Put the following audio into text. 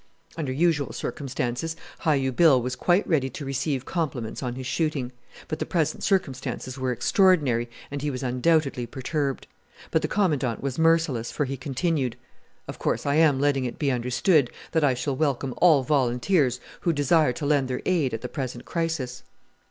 Under usual circumstances Hi u Bill was quite ready to receive compliments on his shooting, but the present circumstances were extraordinary, and he was undoubtedly perturbed. But the Commandant was merciless, for he continued, "Of course, I am letting it be understood that I shall welcome all volunteers who desire to lend their aid at the present crisis."